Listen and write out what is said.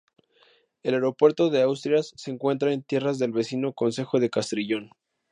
El aeropuerto de Asturias se encuentra en tierras del vecino concejo de Castrillón.